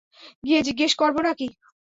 গিয়ে জিজ্ঞেস করবো নাকি?